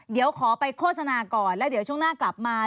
เดี๋ยวขอไปโฆษณาก่อนแล้วเดี๋ยวช่วงหน้ากลับมา